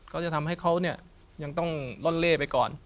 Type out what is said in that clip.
ก็จะทำให้เขาเนี่ยยังต้องล่อนเล่ไปก่อน